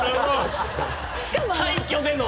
廃墟での。